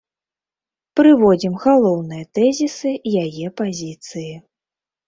Прыводзім галоўныя тэзісы яе пазіцыі.